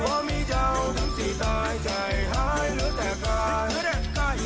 เพราะมีเจ้าทั้งสี่ตายใจหายเหลือแต่กาย